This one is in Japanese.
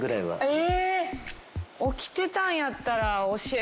え！